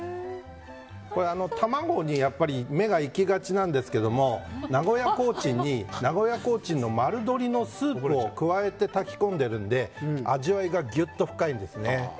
卵に目が行きがちなんですけど名古屋コーチンの丸鶏のスープを加えて炊き込んでいるので味わいがギュッと深いんです。